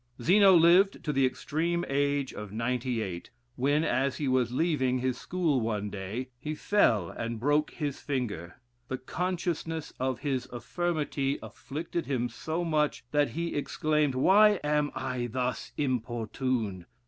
Zeno lived to the extreme age of ninety eight, when, as he was leaving, his school one day, he fell and broke his finger. The consciousness of his infirmity afflicted him so much, that he exclaimed, "Why am I thus importuned?